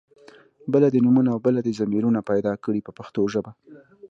بله دې نومونه او بله دې ضمیرونه پیدا کړي په پښتو ژبه.